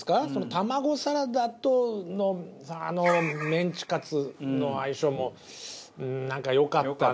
タマゴサラダとメンチカツの相性もうんなんかよかったな。